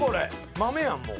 豆やんもう。